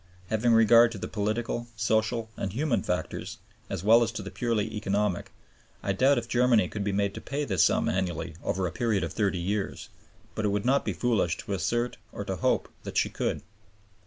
Having regard to the political, social, and human factors, as well as to the purely economic, I doubt if Germany could be made to pay this sum annually over a period of 30 years; but it would not be foolish to assert or to hope that she could.